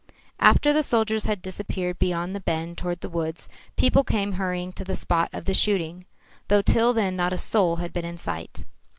After the soldiers had disappeared beyond the bend toward the woods, people came hurrying to the spot of the shooting, though till then not a soul had been in sight.